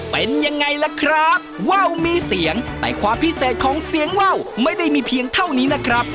เป็นยังไงล่ะครับว่าวมีเสียงแต่ความพิเศษของเสียงว่าวไม่ได้มีเพียงเท่านี้นะครับ